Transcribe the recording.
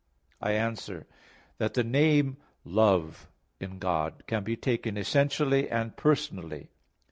I answer that, The name Love in God can be taken essentially and personally.